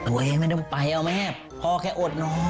เอ๊ะไม่ต้องไปเลยแมพพ่อแค่โอดนอน